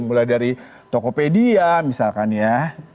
mulai dari tokopedia misalkan ya